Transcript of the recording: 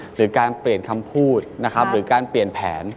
หรือการเปลี่ยนคำพูดนะครับหรือการเปลี่ยนแผน